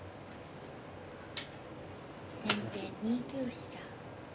先手２九飛車。